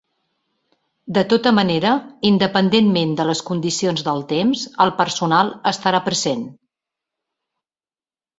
De tota manera, independentment de les condicions del temps, el personal estarà present.